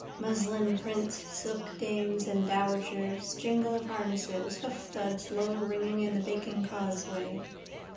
Muslin prints, silkdames and dowagers, jingle of harnesses, hoofthuds lowringing in the baking causeway.